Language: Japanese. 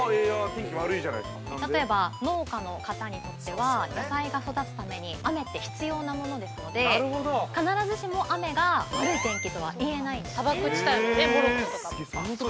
◆例えば、農家の方にとっては、野菜が育つために雨って必要なものですので、必ずしも雨が悪い天気とはいえないんですね。